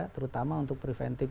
terutama untuk preventif